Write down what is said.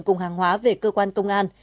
cùng hàng hóa về cơ quan công an